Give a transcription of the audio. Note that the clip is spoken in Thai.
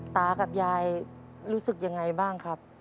ตากับยายรู้สึกยังไงบ้างครับ